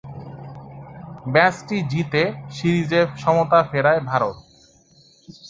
ম্যাচটি জিতে সিরিজে সমতা ফেরায় ভারত।